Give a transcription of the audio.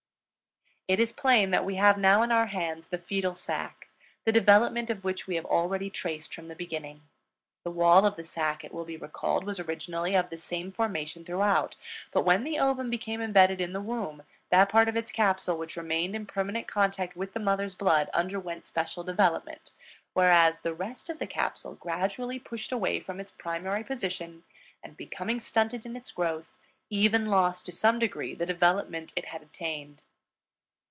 It is plain that we have now in our hands the fetal sac, the development of which we have already traced from the beginning. The wall of the sac, it will be recalled, was originally of the same formation throughout; but when the ovum became imbedded in the womb, that part of its capsule which remained in permanent contact with the mother's blood underwent special development, whereas the rest of the capsule gradually pushed away from its primary position and, becoming stunted in its growth, even lost to some degree the development it had attained.